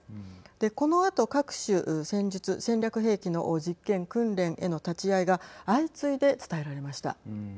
このあと各種戦術・戦略兵器の実験・訓練への立ち会いが相次いで伝えられました。